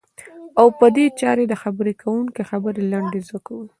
او په دې چارې د خبرې کوونکي خبرې لنډی ز کوو.